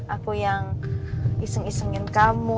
aku yang pegang tangan kamu